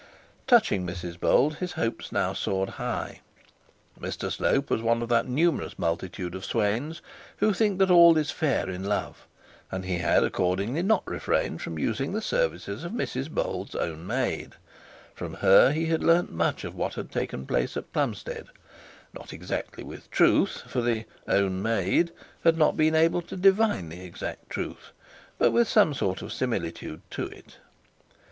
Touching Mrs Bold his hopes now soared high. Mr Slope was one of the numerous multitude of swains who think that all is fair in love, and he had accordingly not refrained from using the services of Mrs Bold's own maid. From her he had learnt much of what had taken place at Plumstead; not exactly with truth, for the 'own maid' had not been able to divine the exact truth, but with some sort of similitude to it.